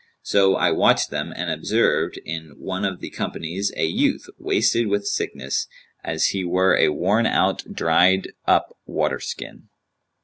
So I watched them and observed, in one of the companies, a youth wasted with sickness, as he were a worn out dried up waterskin.